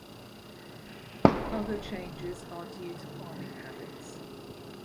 Other changes are due to farming habits.